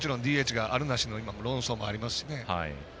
もちろん、ＤＨがあるなしの論争もありますしね。